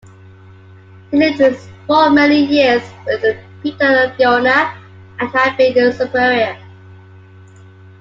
He lived for many years with Peter of Verona and had been his superior.